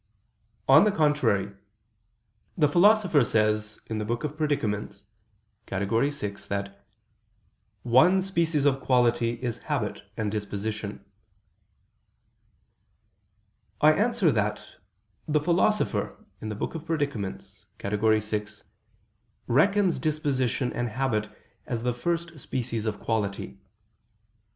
On the contrary, The Philosopher says in the Book of the Predicaments (Categor. vi) that "one species of quality is habit and disposition." I answer that, The Philosopher in the Book of Predicaments (Categor. vi) reckons disposition and habit as the first species of quality.